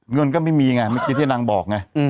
เงินก็ไม่มีไงเมื่อกี้ที่นางบอกไง